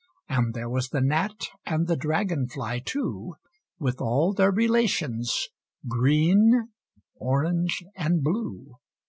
And there was the Gnat and the Dragon fly too, With all their Relations, green, orange and blue.